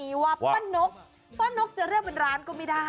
ไอ้ประดกันจะลึกเป็นร้านก็ไม่ได้